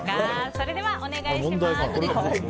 それではお願いします。